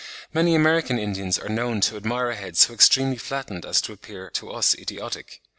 Many American Indians are known to admire a head so extremely flattened as to appear to us idiotic.